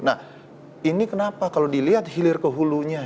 nah ini kenapa kalau dilihat hilir ke hulunya